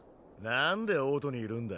なんで王都にいるんだ？